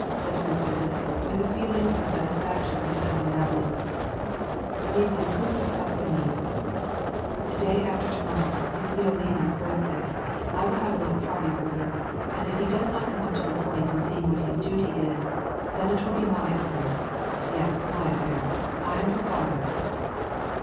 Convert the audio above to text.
'' said l*rince Vasili, with a feeling of satisfaction at his own benevolence; '' mais il faut que ^'U Jinisse. Day after to morrow is Lyolina's birth day; I will have a little pai ty for her, and if he does not come up to the point in seeing what his duty is, then it will be my affair. Yes, my affair. I am her father."